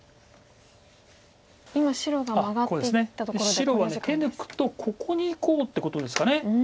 白は手抜くとここにいこうってことですか。